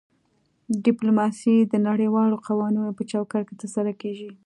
ډیپلوماسي د نړیوالو قوانینو په چوکاټ کې ترسره کیږي